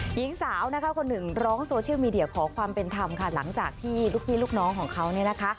หญิงสาวนะคะคนหนึ่งร้องโซเชียลมีเดียขอความเป็นธรรมค่ะหลังจากที่ลูกพี่ลูกน้องของเขาเนี่ยนะคะ